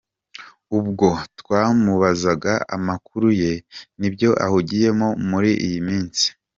Ubwo twamubazaga amakuru ye n’ibyo ahugiyemo muri iyi minsi.